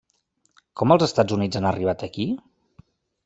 Com els Estats Units han arribat aquí?